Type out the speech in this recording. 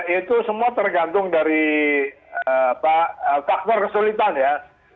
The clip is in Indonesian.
itu semua tergantung dari faktor kesulitan ya